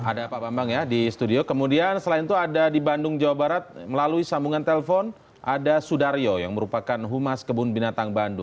ada pak bambang ya di studio kemudian selain itu ada di bandung jawa barat melalui sambungan telpon ada sudaryo yang merupakan humas kebun binatang bandung